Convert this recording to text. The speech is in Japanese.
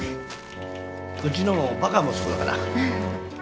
うちのもバカ息子だから。